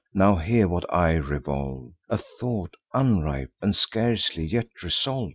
Now hear what I revolve— A thought unripe—and scarcely yet resolve.